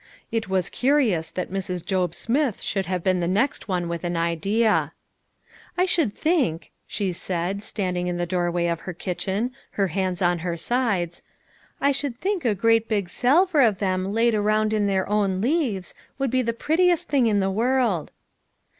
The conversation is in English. It was curious that Mrs. Job Smith should have been the next one with an idea. "I should think," she said, standing in the doorway of her kitchen, her hands on her sides, " I should think a great big salver of them laid around in their own leaves, would be the pretti est thing in the world."